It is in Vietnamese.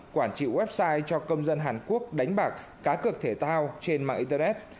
quản trị website cho công dân hàn quốc đánh bạc cá cực thể tạo trên mạng internet